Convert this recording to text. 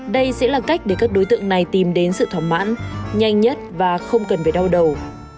đây sẽ là cách để các đối tượng này tìm đến sự thoảng mãn nhanh nhất và không cần phải đau đầu